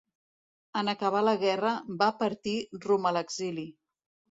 En acabar la guerra, va partir rumb a l'exili.